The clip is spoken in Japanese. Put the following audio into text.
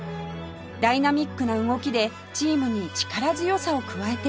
ダイナミックな動きでチームに力強さを加えています